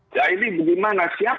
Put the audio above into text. ya ini bagaimana siapa